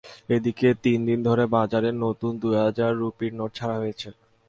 এদিকে তিন দিন ধরে বাজারে নতুন দুই হাজার রুপির নোট ছাড়া হয়েছে।